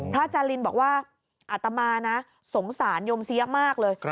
อาจารย์ลินบอกว่าอัตมานะสงสารโยมเสียมากเลย